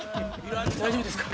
大丈夫ですか？